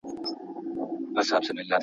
قلاګانو کي په جګو تعمیرو کي.